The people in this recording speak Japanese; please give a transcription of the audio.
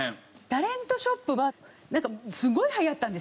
タレントショップはなんかすごい流行ったんですね